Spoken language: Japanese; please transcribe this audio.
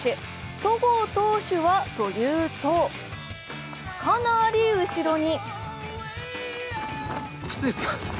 戸郷投手はというとかなり後ろに。